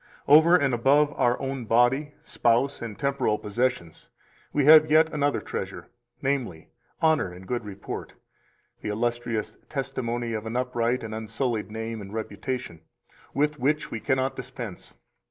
255 Over and above our own body, spouse, and temporal possessions, we have yet another treasure, namely, honor and good report [the illustrious testimony of an upright and unsullied name and reputation], with which we cannot dispense.